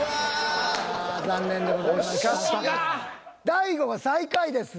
大悟は最下位です。